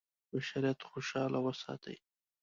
بشریت خوشاله وساتي.